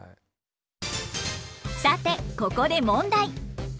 さてここで問題！